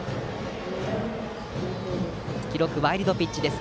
記録はワイルドピッチです。